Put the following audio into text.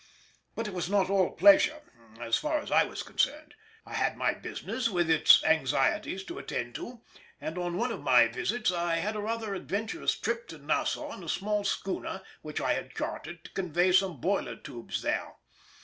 But it was not all pleasure, as far as I was concerned. I had my business with its anxieties to attend to, and on one of my visits I had a rather adventurous trip to Nassau in a small schooner which I had chartered to convey some boiler tubes there.